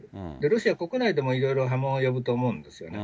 ロシア国内でもいろいろ波紋を呼ぶと思うんですよね。